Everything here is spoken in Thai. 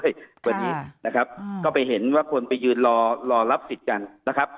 วันนี้นะครับก็ไปเห็นว่าคนไปยืนรอรอรับสิทธิ์กันนะครับ